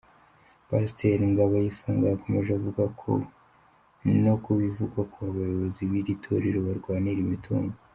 Pasiteri Ngaboyisonga yakomeje avuga no ku bivugwa ko abayobozi b’iri Torero barwanira imitungo.